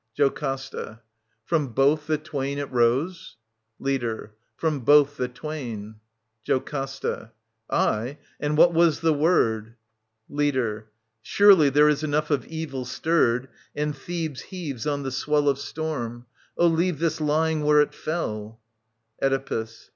JOCASTA. From both the twain it rose ? Leader. From both the twain. JoCASTA. Aye, and what was the word ? Leader. Surely there is enough of evil stirred. And Thebes heaves on the swell Of storm. — Oh, leave this lying where it fell. Oedipus.